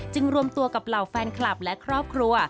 รวมตัวกับเหล่าแฟนคลับและครอบครัว